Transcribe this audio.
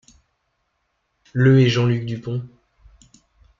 Le est Jean-Luc Dupond.